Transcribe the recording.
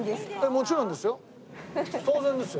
もちろんですよ。